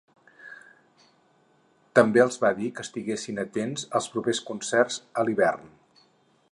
També els va dir que estiguessin atents als propers concerts a l'hivern.